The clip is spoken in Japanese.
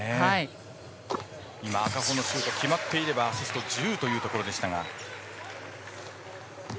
赤穂のシュート決まっていればアシスト１０というところでしたが。